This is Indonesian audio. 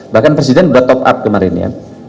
bahkan presiden sudah top up kemarin ya